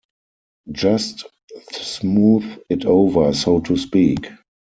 Just smooth it over so to speak.